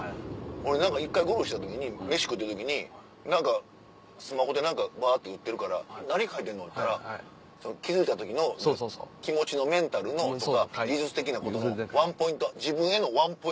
俺一回ゴルフした時に飯食うてる時にスマホでばって打ってるから何書いてんの？って言うたら気付いた時の気持ちのメンタルのとか技術的なことのワンポイント。